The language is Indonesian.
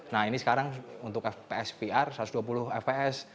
nah ini sekarang untuk fps vr satu ratus dua puluh fps